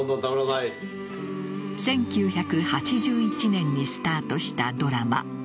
１９８１年にスタートしたドラマ